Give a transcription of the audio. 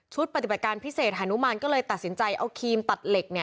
ปฏิบัติการพิเศษหานุมานก็เลยตัดสินใจเอาครีมตัดเหล็ก